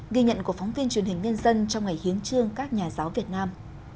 ghi nhận của phóng viên truyền hình nhân dân trong ngày hiến trương các nhà giáo việt nam